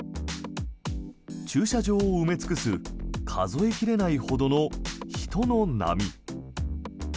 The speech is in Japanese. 駐車場を詰め尽くす数え切れないほどの人の波。